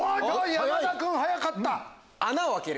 山田君早かった。